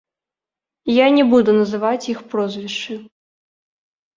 Я не буду называць іх прозвішчы.